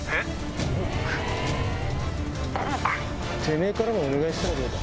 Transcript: てめぇからもお願いしたらどうだ？